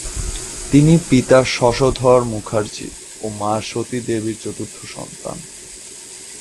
তিনি পিতা শশধর মুখার্জী ও মা সতী দেবীর চতুর্থ সন্তান।